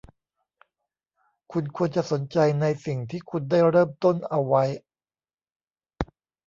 คุณควรจะสนใจในสิ่งที่คุณได้เริ่มต้นเอาไว้